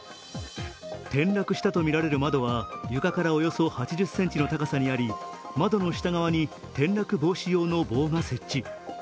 転落したとみられる窓は床からおよそ８０ｃｍの高さにあり窓の下側に転落防止用の棒が設置。